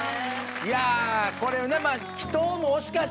いやこれはね。